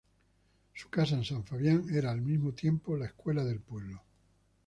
Su casa en San Fabián era al mismo tiempo la escuela del pueblo.